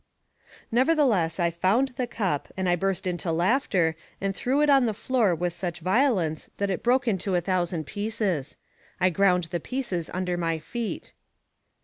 Nevertheless, I found the cup and I burst into laughter and threw it on the floor with such violence that it broke into a thousand pieces. I ground the pieces under my feet.